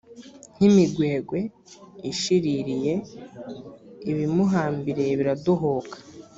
nk imigwegwe ishiririye ibimuhambiriye biradohoka